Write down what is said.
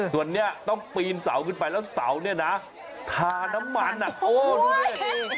ส่วนนี้ต้องปีนเสาขึ้นไปแล้วเสาเนี่ยนะทาน้ำมันโอ้ดูดิ